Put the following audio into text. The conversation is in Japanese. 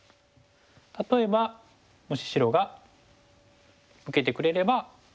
例えばもし白が受けてくれれば。